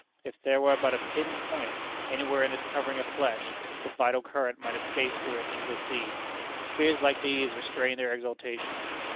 If there were but a pin's point, anywhere in its covering of flesh, the vital current might escape through it into the sea. Fears like these restrained their exultation.